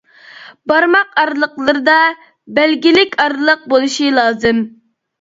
بارماق ئارىلىقلىرىدا بەلگىلىك ئارىلىق بولۇشى لازىم.